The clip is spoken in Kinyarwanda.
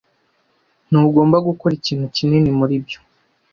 Ntugomba gukora ikintu kinini muri byo.